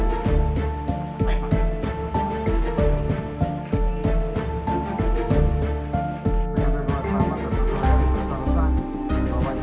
kondisi korban gimana pak